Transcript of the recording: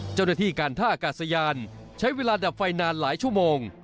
เจ้าหน้าที่การท่าอากาศยานใช้เวลาดับไฟนานหลายชั่วโมง